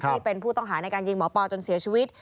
ที่เป็นผู้ต้องหาในการยิงหมอปอจนเสียชีวิต